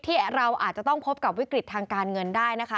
ที่เราอาจจะต้องพบกับวิกฤตทางการเงินได้นะคะ